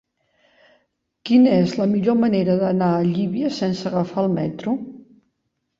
Quina és la millor manera d'anar a Llívia sense agafar el metro?